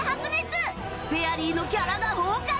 フェアリーのキャラが崩壊！？